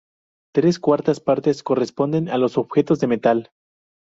Tres cuartas partes corresponden a los objetos de metal.